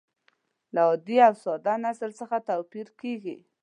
له عادي او ساده نثر څخه توپیر کیږي.